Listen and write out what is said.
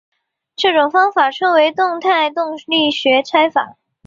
这种方法称为动态动力学拆分。